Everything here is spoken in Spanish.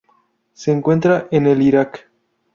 Se encuentra en el Irak.